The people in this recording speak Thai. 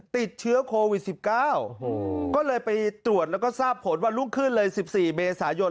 ติดเชื้อโควิด๑๙ก็เลยไปตรวจแล้วก็ทราบผลวันรุ่งขึ้นเลย๑๔เมษายน